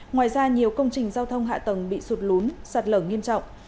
ngoài ra nhiều công trình giao thông hạ tầng bị sụt lún sạt lở nghiêm trọng